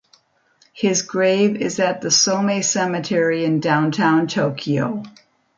His grave is at the Somei Cemetery in downtown Tokyo.